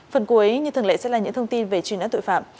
phần cuối như thường lệ sẽ là những thông tin về truy nã tội phạm